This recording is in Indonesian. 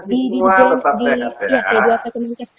terima kasih semua tetap sehat ya